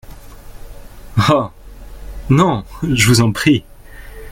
Oh ! non, je vous en prie !…